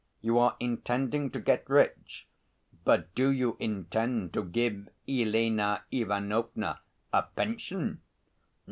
You are intending to get rich, but do you intend to give Elena Ivanovna a pension?"